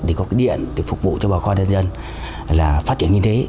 để có cái điện để phục vụ cho bà khoa đất dân là phát triển như thế